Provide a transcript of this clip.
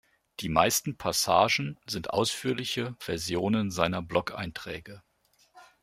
Die meisten Passagen sind ausführliche Versionen seiner Blog-Einträge.